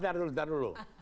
bentar dulu bentar dulu